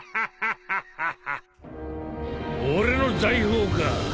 俺の財宝か？